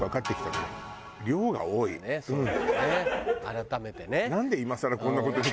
改めてね。